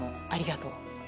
ありがとう。